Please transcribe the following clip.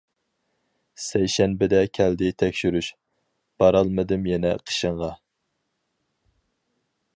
سەيشەنبىدە كەلدى تەكشۈرۈش، بارالمىدىم يەنە قېشىڭغا.